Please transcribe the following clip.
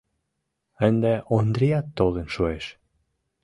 Ынде Ондриат толын шуэш.